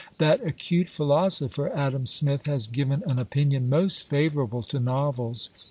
That acute philosopher, Adam Smith, has given an opinion most favourable to NOVELS.